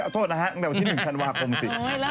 โทษนะฮะตั้งแต่วันที่๑ธันวาคมสิ